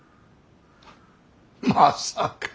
まさか。